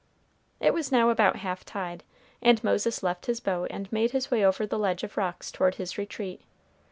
It was now about half tide, and Moses left his boat and made his way over the ledge of rocks toward his retreat.